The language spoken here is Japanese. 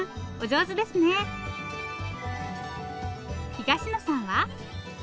東野さんは？